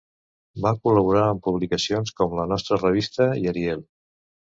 Va col·laborar amb publicacions com La Nostra Revista i Ariel.